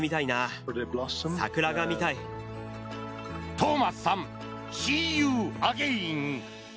トーマスさんシー・ユー・アゲイン！